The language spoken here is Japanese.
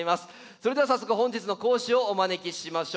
それでは早速本日の講師をお招きしましょう。